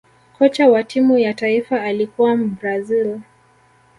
kocha wa timu ya taifa alikuwa mbrazil